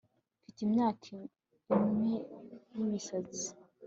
mfite imyaka imwe yimisatsi